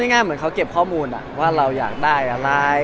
ง่ายเหมือนเขาเก็บข้อมูลว่าเราอยากได้อะไร